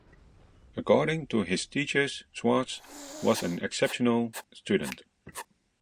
According to his teachers, Schwartz was an exceptional student.